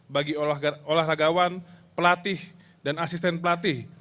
bagi olahragawan pelatih dan asisten pelatih